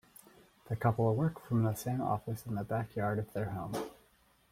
The couple work from the same office in the backyard of their home.